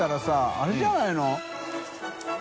あれじゃないの？